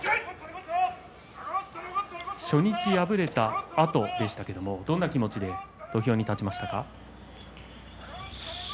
初日、敗れたあとでしたけれどもどんな気持ちで土俵に立ちましたか？